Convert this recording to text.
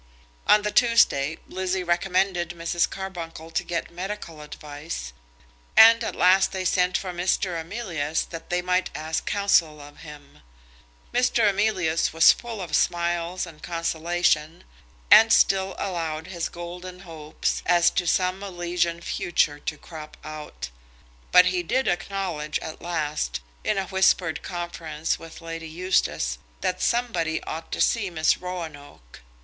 On the Tuesday, Lizzie recommended Mrs. Carbuncle to get medical advice, and at last they sent for Mr. Emilius that they might ask counsel of him. Mr. Emilius was full of smiles and consolation, and still allowed his golden hopes as to some Elysian future to crop out; but he did acknowledge at last, in a whispered conference with Lady Eustace, that somebody ought to see Miss Roanoke.